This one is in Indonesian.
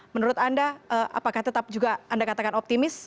menurut anda apakah tetap juga anda katakan optimis